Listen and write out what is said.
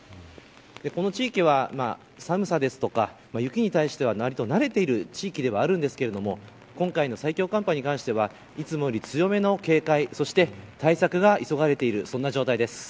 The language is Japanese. この地域は、寒さですとか雪に対しては、割と慣れている地域ではあるんですが今回の最強寒波に関してはいつもより強めの警戒そして対策が急がれている状態です。